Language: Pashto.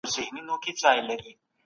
په ناحقه د مال اخيستل حرام دي.